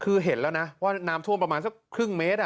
คือเห็นแล้วนะว่าน้ำท่วมประมาณสักครึ่งเมตร